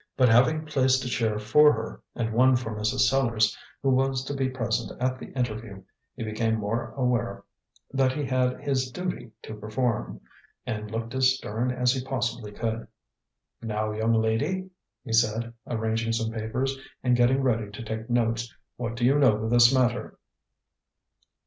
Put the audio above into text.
But having placed a chair for her, and one for Mrs. Sellars, who was to be present at the interview, he became aware that he had his duty to perform, and looked as stern as he possibly could. "Now, young lady," he said, arranging some papers, and getting ready to take notes, "what do you know of this matter?"